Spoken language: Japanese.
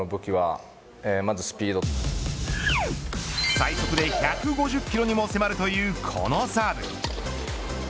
最速で１５０キロにも迫るというこのサーブ。